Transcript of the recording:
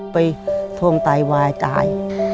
ไปทวงตายวายตาย